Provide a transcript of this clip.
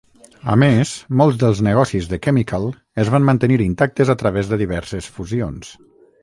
A més, molts dels negocis de Chemical es van mantenir intactes a través de diverses fusions.